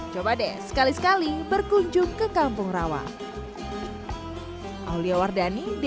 coba deh sekali sekali berkunjung ke kampung rawa